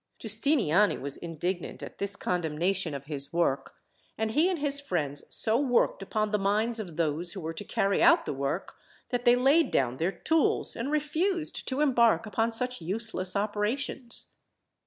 Giustiniani was indignant at this condemnation of his work; and he and his friends so worked upon the minds of those who were to carry out the work, that they laid down their tools, and refused to embark upon such useless operations.